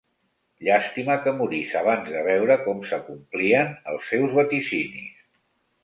Llàstima que morís abans de veure com s'acomplien els seus vaticinis.